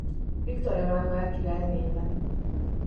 Viktor Emánuel király néven.